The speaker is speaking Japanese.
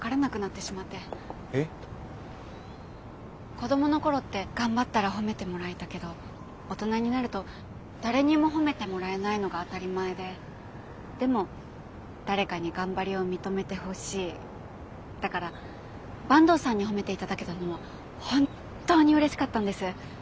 子どもの頃って頑張ったら褒めてもらえたけど大人になると誰にも褒めてもらえないのが当たり前ででも誰かに頑張りを認めてほしいだから坂東さんに褒めて頂けたのは本当にうれしかったんです。